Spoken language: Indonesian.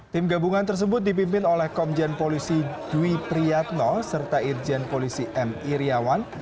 tim gabungan tersebut dipimpin oleh komjen polisi dwi priyatno serta irjen polisi m iryawan